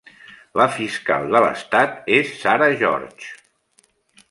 La fiscal de l'estat és Sarah George.